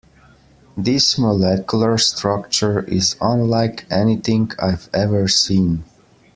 This molecular structure is unlike anything I've ever seen.